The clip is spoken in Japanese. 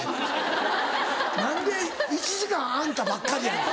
何で１時間あんたばっかりやねん。